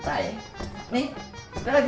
udah lagi sholat